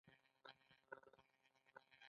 نسخه عربي لغت دﺉ.